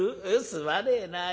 すまねえな。